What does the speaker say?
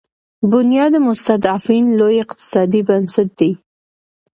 بنیاد مستضعفین لوی اقتصادي بنسټ دی.